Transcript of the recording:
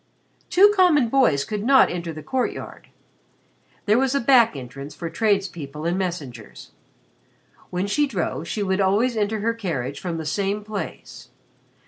Two common boys could not enter the courtyard. There was a back entrance for tradespeople and messengers. When she drove, she would always enter her carriage from the same place.